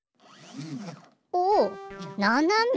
おおななめ。